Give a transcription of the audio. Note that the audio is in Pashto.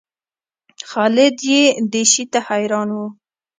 خالد یې دې شي ته حیران و.